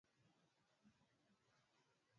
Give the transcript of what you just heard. kwa umoja afrika huko addis ababa